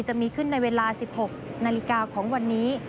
จะมีขึ้นในเวลา๑๖นาฬิกาของวันนี้